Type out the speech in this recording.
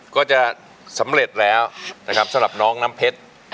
ก็จะสำเร็จแล้วนะครับสำหรับน้องน้ำเพชร